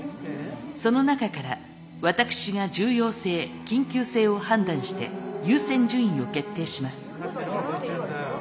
その中から私が重要性緊急性を判断して優先順位を決定します。